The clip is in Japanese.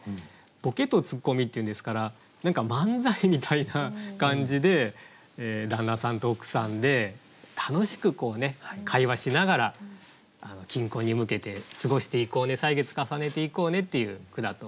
「ぼけとつっこみ」っていうんですから何か漫才みたいな感じで旦那さんと奥さんで楽しく会話しながら金婚に向けて過ごしていこうね歳月重ねていこうねっていう句だと思います。